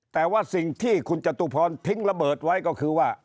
แต่ว่าสิ่งที่คุณจตุพรทิ้งระเบิดไว้ก็คือว่า